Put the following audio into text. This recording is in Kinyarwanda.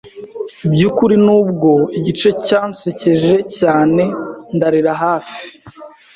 Byukuri nubwo, igice cya cyansekeje cyane ndarira hafi.